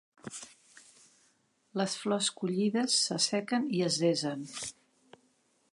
Les flors collides s'assequen i es desen.